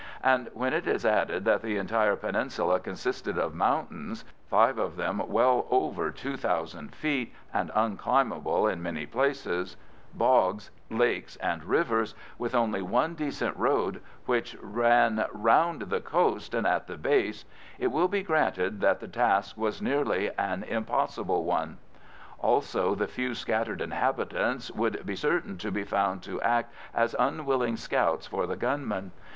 And when it is added that the entire peninsula consisted of mountains (five of them well over two thousand feet, and unclimbable in many places), bogs, lakes, and rivers, with only one decent road which ran round the coast and at the base, it will be granted that the task was nearly an impossible one. Also the few scattered inhabitants would be certain to be found to act as unwilling scouts for the gunmen.